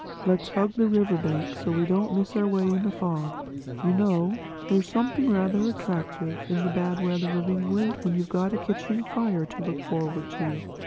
Let's hug the river bank so we don't miss our way in the fog. You know, there's something rather attractive in the bad weather of England—when you've got a kitchen fire to look forward to....